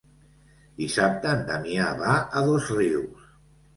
Dissabte en Damià va a Dosrius.